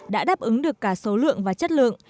đã đáp ứng được cả số lượng và chất lượng